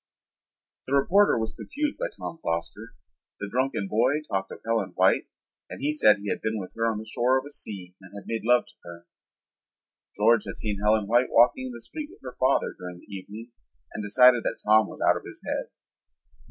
The reporter was confused by Tom Foster. The drunken boy talked of Helen White and said he had been with her on the shore of a sea and had made love to her. George had seen Helen White walking in the street with her father during the evening and decided that Tom was out of his head.